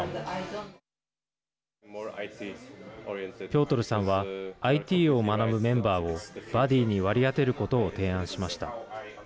ピョートルさんはＩＴを学ぶメンバーをバディーに割り当てることを提案しました。